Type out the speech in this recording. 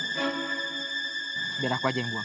biar aku aja yang buang